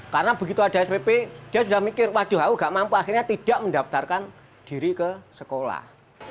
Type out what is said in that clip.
karena begitu ada spp dia sudah mikir waduh aku gak mampu akhirnya tidak mendaftarkan diri ke sekolah